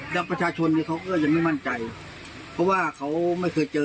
แล้วประชาชนเนี่ยเขาก็ยังไม่มั่นใจเพราะว่าเขาไม่เคยเจอ